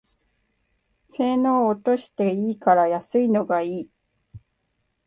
性能落としていいから安いのがいい